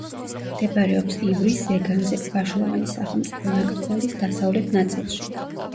მდებარეობს ივრის ზეგანზე, ვაშლოვანის სახელმწიფო ნაკრძალის დასავლეთ ნაწილში.